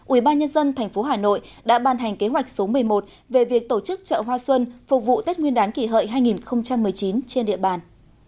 ubnd tp hà nội đã ban hành kế hoạch số một mươi một về việc tổ chức chợ hoa xuân phục vụ tết nguyên đán kỷ hợi hai nghìn một mươi chín trên địa bàn